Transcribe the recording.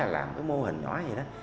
làm cái mô hình nhỏ vậy đó